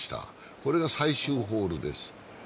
これが最終ホールです。